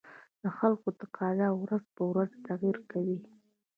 د خلکو تقاتضا ورځ په ورځ تغير کوي